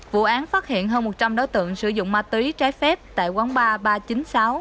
vụ án phát hiện hơn một trăm linh đối tượng sử dụng ma túy trái phép tại quán ba ba trăm chín mươi sáu